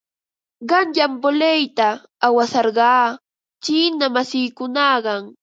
Qanyan voleyta awasarqaa chiina masiikunawan.